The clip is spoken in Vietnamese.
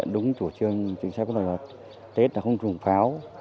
đúng chủ trương chính sách của tết là không trùng pháo